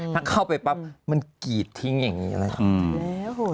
ถ้าเข้าไปปั๊บมันกรีดทิ้งอย่างนี้เลย